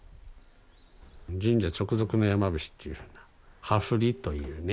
神社直属の山伏というふうな祝部というね